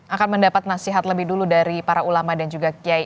akan mendapat nasihat lebih dulu dari para ulama dan juga kiai